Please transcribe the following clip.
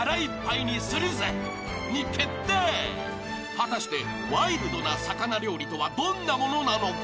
［果たしてワイルドな魚料理とはどんなものなのか？］